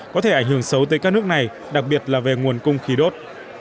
có thể ảnh hưởng xấu tới các nước này đặc biệt là về nguồn cung khí đốt